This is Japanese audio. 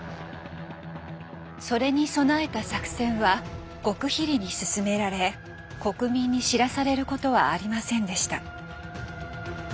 それに備えた作戦は極秘裏に進められ国民に知らされることはありませんでした。